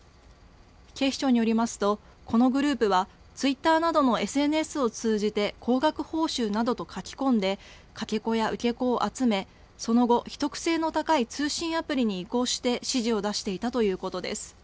警視庁によりますとこのグループはツイッターなどのＳＮＳを通じて高額報酬などと書き込んで架け子や受け子を集めその後、秘匿性の高い通信アプリに移行して指示を出していたということです。